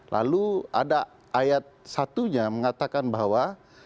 lalu ada ayat satunya mengatakan bahwa